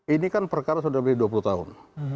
ini kan perkara sudah dari dua puluh tahun